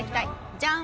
ジャン。